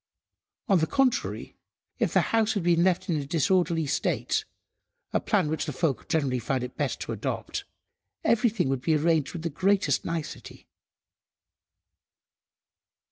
On the contrary, if the house had been left in a disorderly state, a plan which the folk generally found it best to adopt, everything would have been arranged with the greatest nicety.